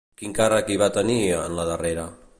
Quin càrrec hi va tenir, en la darrera?